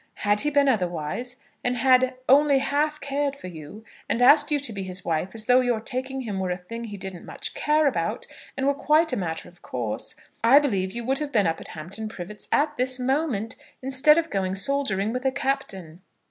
Had he been otherwise, and had only half cared for you, and asked you to be his wife as though your taking him were a thing he didn't much care about, and were quite a matter of course, I believe you would have been up at Hampton Privets this moment, instead of going soldiering with a captain.